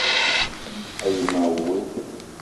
A yi ma woe :